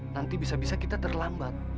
nanti bisa bisa kita terlambat